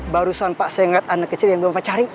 barusan pak saya ngeliat anak kecil yang bawa mbak cari